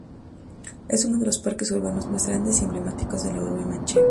Es uno de los parques urbanos más grandes y emblemáticos de la urbe manchega.